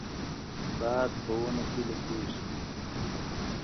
باد په ونو کې لګیږي.